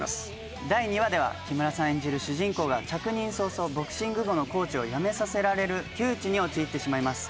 第２話では木村さん演じる主人公が着任早々ボクシング部のコーチを辞めさせられる窮地に陥ってしまいます。